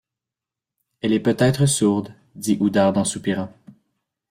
Elle est peut-être sourde, dit Oudarde en soupirant.